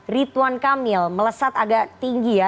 rituan kamil melesat agak tinggi ya